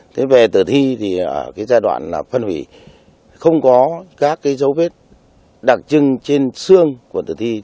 thế về tử thi thì ở cái giai đoạn là phân hủy không có các cái dấu vết đặc trưng trên xương của tử thi